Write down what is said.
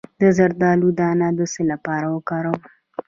د زردالو دانه د څه لپاره وکاروم؟